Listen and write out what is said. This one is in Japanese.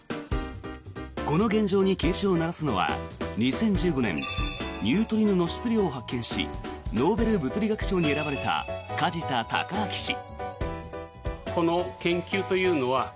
この現状に警鐘を鳴らすのは２０１５年ニュートリノの質量を発見しノーベル物理学賞に選ばれた梶田隆章氏。